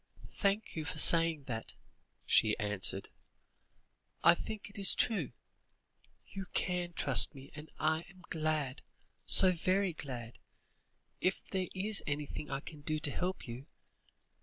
"Thank you for saying that," she answered. "I think it is true. You can trust me, and I am glad, so very glad, if there is anything I can do to help you.